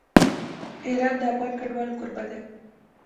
ایران د افغان کډوالو کوربه دی.